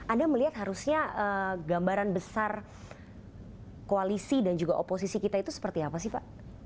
anda melihat harusnya gambaran besar koalisi dan juga oposisi kita itu seperti apa sih pak